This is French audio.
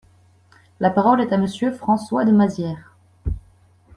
La parole est à Monsieur François de Mazières.